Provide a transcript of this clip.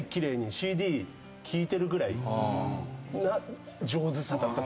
ＣＤ聴いてるぐらいな上手さだったと思います。